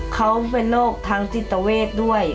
เขาเป็นโรคทางจิตเตอร์เวศด้วย